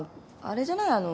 あれじゃない？